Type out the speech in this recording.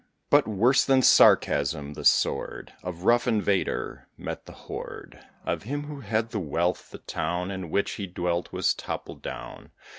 But, worse than sarcasm, the sword Of rough invader met the hoard Of him who had the wealth: the town In which he dwelt was toppled down.